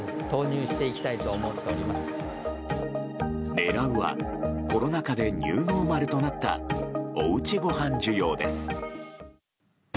狙うは、コロナ禍でニューノーマルとなったおうちごはん需要です。